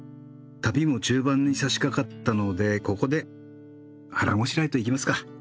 旅も中盤にさしかかったのでここで腹ごしらえといきますか。